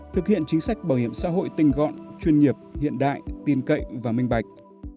thực hiện chính sách bảo hiểm xã hội tinh gọn chuyên nghiệp hiện đại tin cậy và minh bạch